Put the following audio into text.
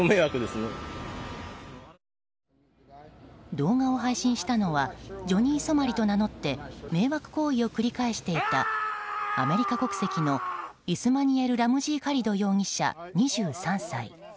動画を配信したのはジョニー・ソマリと名乗って迷惑行為を繰り返していたアメリカ国籍のイスマエル・ラムジー・カリド容疑者、２３歳。